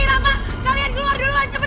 eh roja kalian gelar duluan cepet